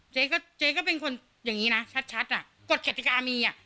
เจ๊ก็เจ๊ก็เป็นคนอย่างนี้นะชัดอ่ะกฎกติกามีอ่ะ